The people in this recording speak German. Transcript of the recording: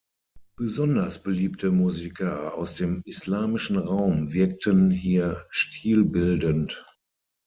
Besonders beliebte Musiker aus dem islamischen Raum wirkten hier stilbildend.